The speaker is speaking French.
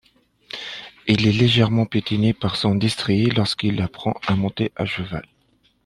Il est légèrement piétiné par son destrier lorsqu'il apprend à monter à cheval.